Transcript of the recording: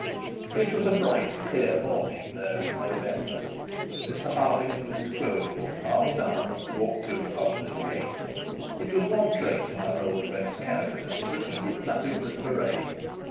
It was a bright clear morning, though in November, that Mr Harding and Mr Quiverful, arm in arm, walked through the hospital gate. It was one trait in our old friend's character that he did nothing with parade.